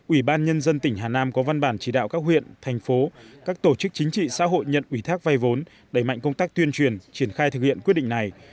ủy ban nhân dân tỉnh hà nam có văn bản chỉ đạo các huyện thành phố các tổ chức chính trị xã hội nhận ủy thác vay vốn đẩy mạnh công tác tuyên truyền triển khai thực hiện quyết định này